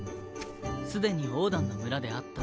すでにオーダンの村で会った。